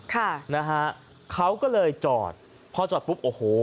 ค่ะนะฮะเขาก็เลยจอดพอจอดปุ๊บโอ้โห